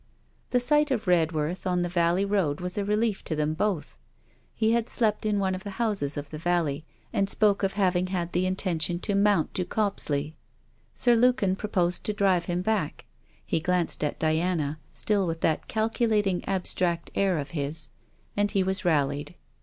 The sight of Redworth on the valley road was a relief to them both. He had slept in one of the houses of the valley, and spoke of having had the intention to mount to Copsley. Sir Lukin proposed to drive him back. He glanced at Diana, still with that calculating abstract air of his; and he was rallied.